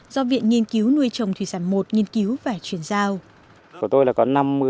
do viện nhiên cứu nuôi trồng thủy sản một nghiên cứu và chuyển giao